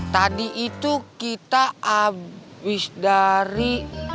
tadi itu kita habis dari